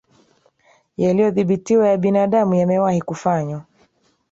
yaliyodhibitiwa ya binadamu yamewahi kufanywa